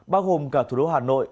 bao gồm cả thủ đô hà nội